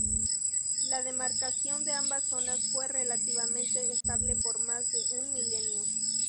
La demarcación de ambas zonas fue relativamente estable por más de un milenio.